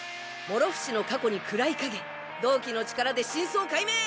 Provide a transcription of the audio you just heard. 諸伏の過去に暗い影同期の力で真相解明！